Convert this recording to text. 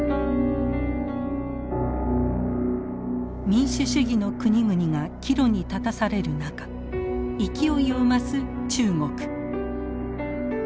民主主義の国々が岐路に立たされる中勢いを増す中国。